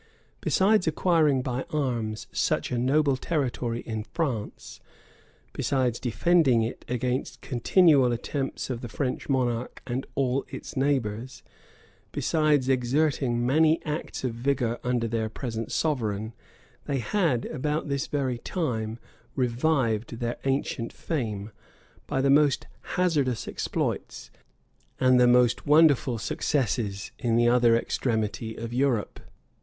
Besides acquiring by arms such a noble territory in France, besides defending it against continual attempts of the French monarch and all its neighbors, besides exerting many acts of vigor under their present sovereign, they had, about this very time, revived their ancient fame, by the most hazardous exploits, and the moat wonderful successes, in the other extremity of Europe.